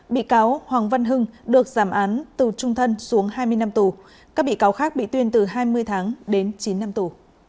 bị cáo hoàng văn hưng được giảm án tù trung thân xuống hai mươi năm tù các bị cáo khác bị tuyên từ hai mươi tháng đến chín năm tù